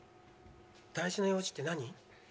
大事な用事って何？